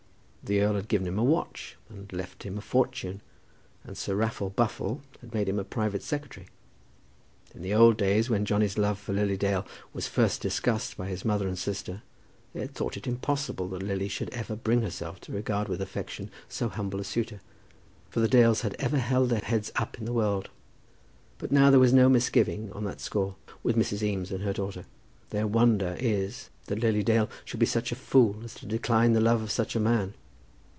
The earl had given him a watch and had left him a fortune, and Sir Raffle Buffle had made him a private secretary. In the old days, when Johnny's love for Lily Dale was first discussed by his mother and sister, they had thought it impossible that Lily should ever bring herself to regard with affection so humble a suitor; for the Dales have ever held their heads up in the world. But now there is no misgiving on that score with Mrs. Eames and her daughter. Their wonder is that Lily Dale should be such a fool as to decline the love of such a man.